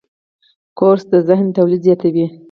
کورس د ذهن تولید زیاتوي.